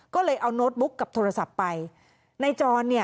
ก็เลยเอาโน้ตบุ๊กกับโทรศัพท์ไปในจร